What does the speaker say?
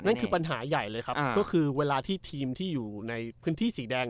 นั่นคือปัญหาใหญ่เลยครับก็คือเวลาที่ทีมที่อยู่ในพื้นที่สีแดง